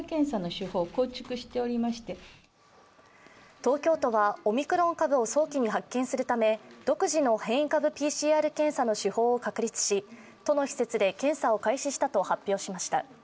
東京都はオミクロン株を早期に発見するため、独自の変異株ＰＣＲ検査の手法を確立し、都の施設で検査を開始したと発表しました。